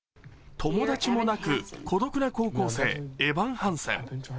友達もなく孤独な高校生、エヴァン・ハンセン。